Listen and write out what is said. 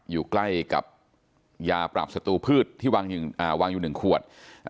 อยู่ใกล้กับยาปราบสตูพืชที่วางอยู่๑ขวด